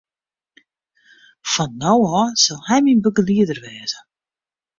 Fan no ôf sil hy myn begelieder wêze.